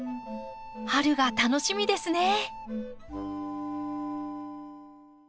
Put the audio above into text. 春が楽しみですね。